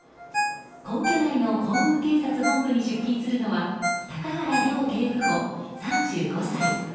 皇居内の皇宮警察本部に出勤するのは高原遼警部補、３５歳。